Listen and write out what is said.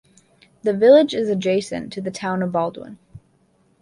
The village is adjacent to the Town of Baldwin.